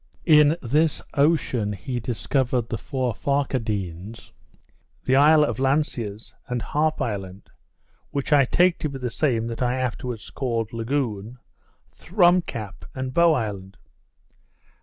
In this ocean he discovered the Four Facardines, the isle of Lanciers, and Harp Island, which I take to be the same that I afterwards named Lagoon, Thrum Cap, and Bow Island.